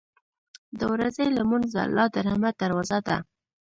• د ورځې لمونځ د الله د رحمت دروازه ده.